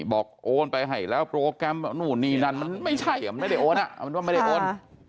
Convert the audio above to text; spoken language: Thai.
โอนไปให้แล้วโปรแกรมนู่นนี่นั่นมันไม่ใช่มันไม่ได้โอนอ่ะเอาเป็นว่าไม่ได้โอน